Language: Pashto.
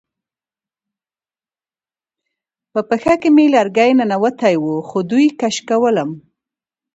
په پښه کې مې لرګی ننوتی و خو دوی کش کولم